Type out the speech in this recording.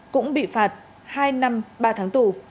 cũng bị phạt hai năm ba tháng tù